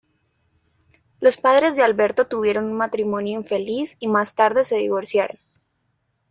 Los padres de Alberto tuvieron un matrimonio infeliz y más tarde se divorciaron.